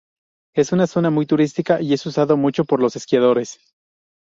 Es una zona muy turística y es usado mucho por los esquiadores.